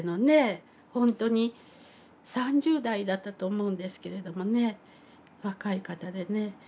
本当に３０代だったと思うんですけれどもね若い方でね。